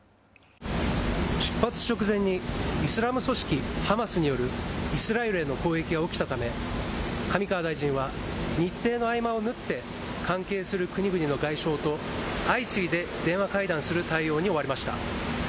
出発直前にイスラム組織ハマスによるイスラエルへの攻撃が起きたため、上川大臣は、日程の合間を縫って、関係する国々の外相と相次いで電話会談する対応に追われました。